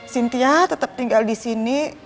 cynthia tetap tinggal di sini